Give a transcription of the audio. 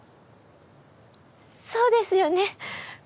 そうですよね。